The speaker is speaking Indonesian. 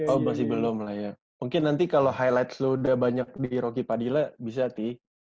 oh masih belum lah ya mungkin nanti kalo highlights lu udah banyak di rocky padilla bisa ti